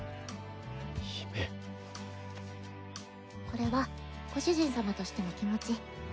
これはご主人様としての気持ち。